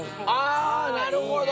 あなるほど！